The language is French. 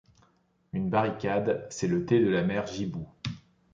Une barricade, c’est le thé de la mère Gibou.